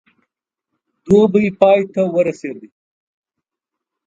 دوبی پای ته ورسېدی.